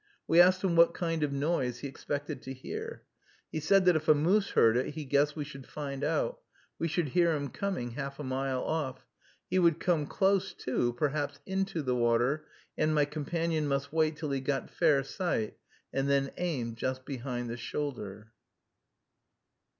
We asked him what kind of noise he expected to hear. He said that if a moose heard it, he guessed we should find out; we should hear him coming half a mile off; he would come close to, perhaps into, the water, and my companion must wait till he got fair sight, and then aim just behind the shoulder.